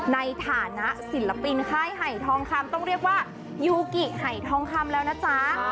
ในฐานะศิลปินค่ายไห่ทองคำต้องเรียกว่ายูกิไห่ทองคำแล้วนะจ๊ะ